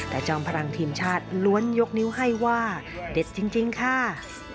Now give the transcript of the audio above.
แต่จอมพลังทีมชาติล้วนยกนิ้วให้ว่าเด็ดจริงค่ะ